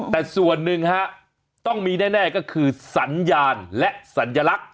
แต่ส่วนหนึ่งฮะต้องมีแน่ก็คือสัญญาณและสัญลักษณ